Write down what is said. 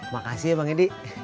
makasih ya bang edi